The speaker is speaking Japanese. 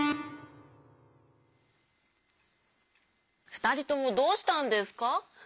ふたりともどうしたんですか？